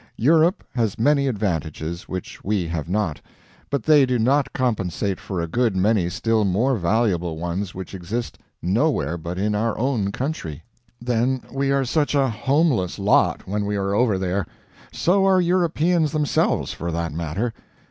Europe has many advantages which we have not, but they do not compensate for a good many still more valuable ones which exist nowhere but in our own country. Then we are such a homeless lot when we are over there! So are Europeans themselves, for that matter.